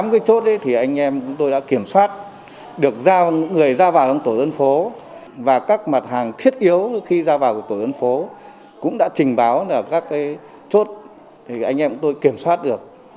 tám cái chốt ấy thì anh em tôi đã kiểm soát được người ra vào trong tổ dân phố và các mặt hàng thiết yếu khi ra vào tổ dân phố cũng đã trình báo là các cái chốt thì anh em tôi kiểm soát được